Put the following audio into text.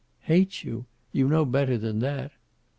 "Hate you! You know better than that."